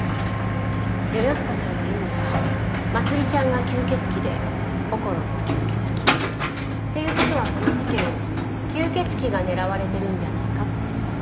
世々塚さんが言うにはまつりちゃんが吸血鬼でこころも吸血鬼。っていう事はこの事件吸血鬼が狙われてるんじゃないかって。